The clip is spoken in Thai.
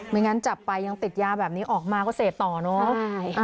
งั้นจับไปยังติดยาแบบนี้ออกมาก็เสพต่อเนอะ